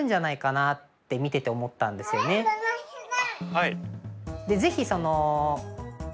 はい。